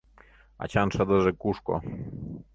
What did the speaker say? Ачан шыдыже кушко.